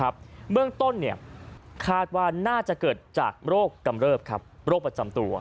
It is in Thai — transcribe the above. เบื้องต้นคาดว่าน่าจะเกิดจากโรคกำเริบครับโรคประจำตัว